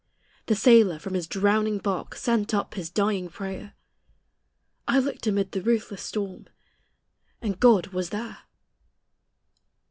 The sailor from his drowning bark Sent up his dying prayer; I looked amid the ruthless storm, And God was there!